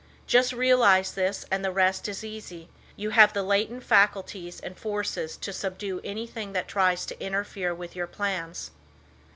Just realize this and the rest is easy. You have the latent faculties and forces to subdue anything that tries to interfere with your plans.